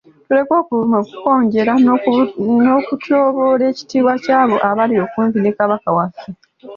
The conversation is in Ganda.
Tuleke okuvuma, okukonjera n'okutyoboola ekitiibwa ky'abo abali okumpi ne Kabaka waffe .